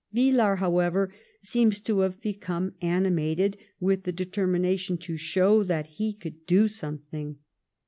Villars, however, seems to have become animated with the determination to show that he could do something.